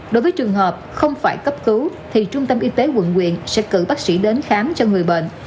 đối với trường hợp không phải cấp cứu thì trung tâm y tế quận quyện sẽ cử bác sĩ đến khám cho người bệnh